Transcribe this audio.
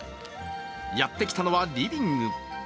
やってきたのはリビング。